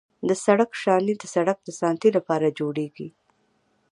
د سړک شانې د سړک د ساتنې لپاره جوړیږي